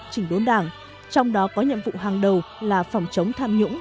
chỉnh đốn đảng trong đó có nhiệm vụ hàng đầu là phòng chống tham nhũng